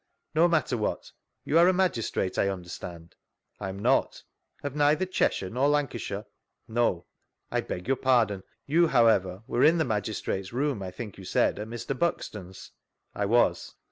No matter what. You are a magistrate, I under stand?— I am not. Of Ddther Cheshire nor Lancashire?— No. I beg your pardon. You, however, vere in the magistrates' room, I think you said, at Mr. Bux< ton's?— I was.